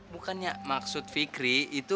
bukannya maksud fikri